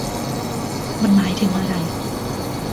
มันหมายถึงอะไร ?